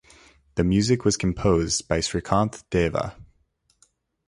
The music was composed by Srikanth Deva.